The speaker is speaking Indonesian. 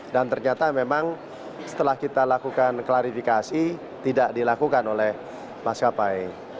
dan ternyata memang setelah kita lakukan klarifikasi tidak dilakukan oleh mas kapai